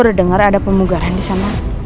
cepet kamu liatin sana